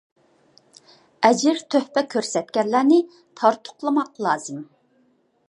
ئەجىر - تۆھپە كۆرسەتكەنلەرنى تارتۇقلىماق لازىم.